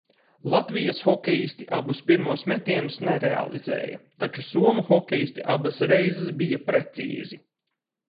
Latvijas hokejisti abus pirmos metienus nerealizēja, taču somu hokejisti abas reizes bija precīzi.